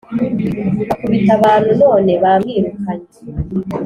akubita abantu none bamwirukanye